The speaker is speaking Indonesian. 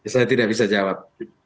saya tidak bisa jawab